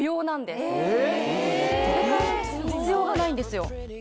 すごい必要がないんですよ